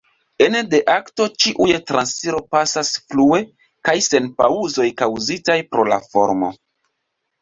Ene de akto ĉiuj transiro pasas flue kaj sen paŭzoj kaŭzitaj pro la formo.